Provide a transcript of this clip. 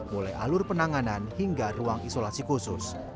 mulai alur penanganan hingga ruang isolasi khusus